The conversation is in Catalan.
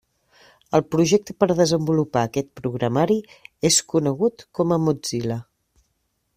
El projecte per desenvolupar aquest programari és conegut com a Mozilla.